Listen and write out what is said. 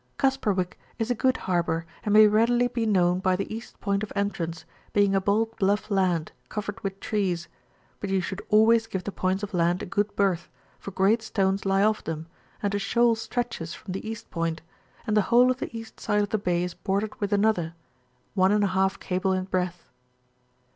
XASPE&WICX is a good harbour, and may readily be known by the east point of entrance, being a bold bluff land, covered with trees ; but you should always give the points of land a good berth, for great stones lie off them, and a shoal stretches from the east point, and uie whole of the east side of the bay is bordered with another, H cable in breadth.